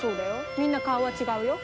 みんな顔は違うよ！